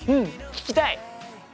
聞きたい！